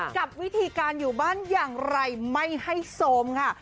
กับวิธีการอยู่บ้านอย่างไรไม่ให้โซมค่ะ